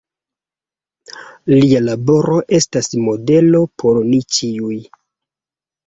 Lia laboro estas modelo por ni ĉiuj.